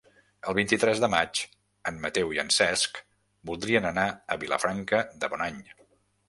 El vint-i-tres de maig en Mateu i en Cesc voldrien anar a Vilafranca de Bonany.